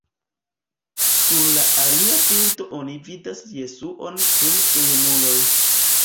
Sur la alia bildo oni vidas Jesuon kun gejunuloj.